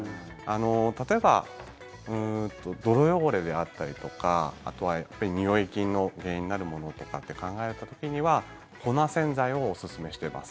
例えば、泥汚れであったりとかあとは、におい菌の原因になるものとかって考えた時には粉洗剤をおすすめしてます